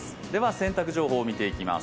洗濯情報を見ていきます。